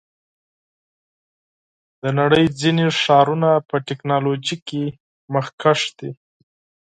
د نړۍ ځینې ښارونه په ټیکنالوژۍ کې مخکښ دي.